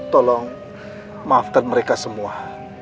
tolong maafkan mereka semua